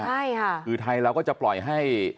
ใช่ค่ะคือไทยเราก็จะปล่อยให้